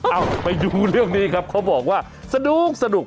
ไปดูเรื่องนี้ครับเขาบอกว่าสนุก